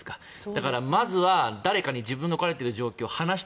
だからまずは誰かに自分の置かれている状況を話す。